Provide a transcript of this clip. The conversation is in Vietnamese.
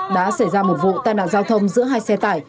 đã xảy ra một vụ tai nạn giao thông giữa hai xe tải